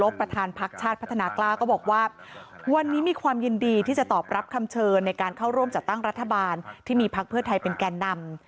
ไม่มีความยินดีที่จะตอบรับคำเชิญในการเข้าร่วมจัดตั้งรัฐบาลที่มีพักเพื่อไทยเป็นแก่นำ